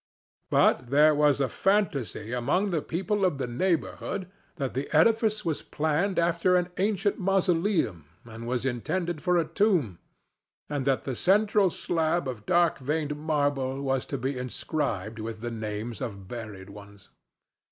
But there was a fantasy among the people of the neighborhood that the edifice was planned after an ancient mausoleum and was intended for a tomb, and that the central slab of dark veined marble was to be inscribed with the names of buried ones.